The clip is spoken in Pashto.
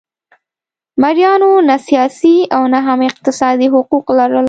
مریانو نه سیاسي او نه هم اقتصادي حقوق لرل.